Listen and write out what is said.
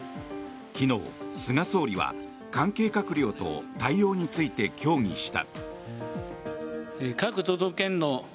昨日、菅総理は関係閣僚と対応について協議した。